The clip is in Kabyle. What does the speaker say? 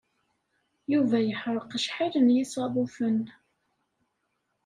Yuba yeḥreq acḥal n yisaḍufen.